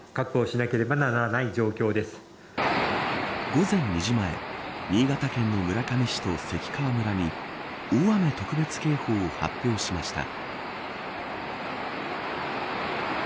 午前２時前新潟県の村上市と関川村に大雨特別警報を発表しました。